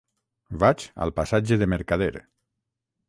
Vaig al passatge de Mercader.